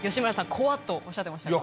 「怖っ」とおっしゃってましたが。